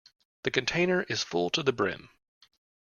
The container is full to the brim.